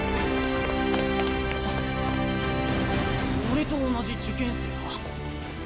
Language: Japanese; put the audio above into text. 俺と同じ受験生か。